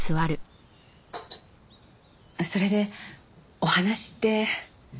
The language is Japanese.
それでお話って？